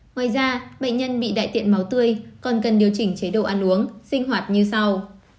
ngoài ra bệnh nhân bị đại tiện máu tươi còn cần điều chỉnh chế độ ăn uống sinh hoạt như sau